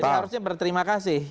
jadi harusnya berterima kasih